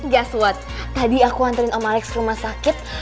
guess what tadi aku anterin om alex ke rumah dia